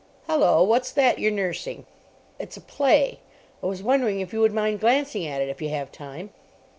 Hullo, what's that you're nursing?" "It's a play. I was wondering if you would mind glancing at it if you have time?"